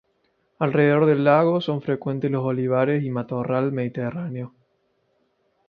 Alrededor del lago son frecuentes los olivares y matorral mediterráneo.